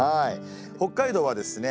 北海道はですね